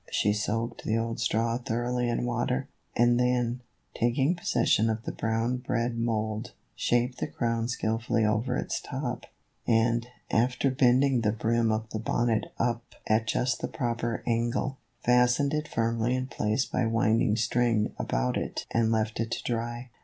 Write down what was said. She soaked the old straw thoroughly in water, and then, taking possession of the brown bread mould, shaped the crown skilfully over its top, and, after bending the brim of the bonnet up at just the proper angle, fastened it firmly in place by winding string about it and left it to dry.